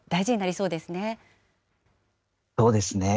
そうですね。